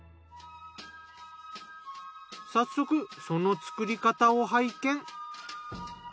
早速その作り方を拝見。